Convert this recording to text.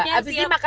terima kasih banyak